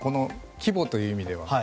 規模という意味では。